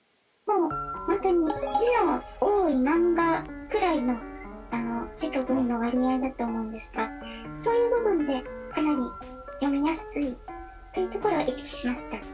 ホントに字の多い漫画くらいの字と文の割合だと思うんですがそういう部分でかなり読みやすいというところは意識しました。